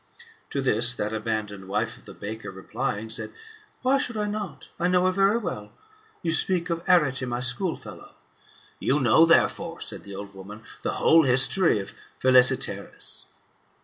To this, that abandoned wife of the baker replying, said, " Why should I not ? I know her very well. You speak of Arete my school fellow." " You know, therefore," said the old woman, " the whole history of Phile sietaenis."